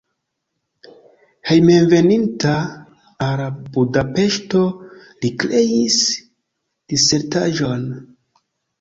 Hejmenveninta al Budapeŝto li kreis disertaĵon.